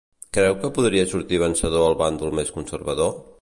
Creu que podria sortir vencedor el bàndol més conservador?